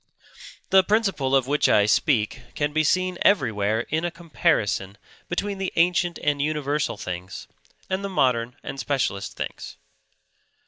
The principle of which I speak can be seen everywhere in a comparison between the ancient and universal things and the modern and specialist things.